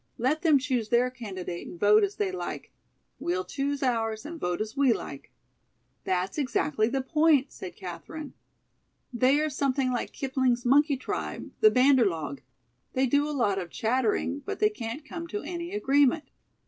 "Let them choose their candidate and vote as they like. We'll choose ours and vote as we like." "That's exactly the point," said Katherine. "They are something like Kipling's monkey tribe, the 'banderlog.' They do a lot of chattering, but they can't come to any agreement.